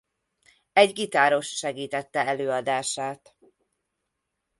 Egy gitáros segítette előadását.